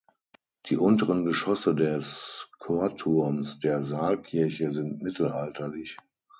Die unteren Geschosse des Chorturms der Saalkirche sind mittelalterlich.